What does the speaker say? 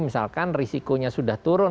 misalkan risikonya sudah turun